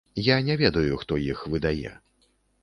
Я не ведаю, хто іх выдае.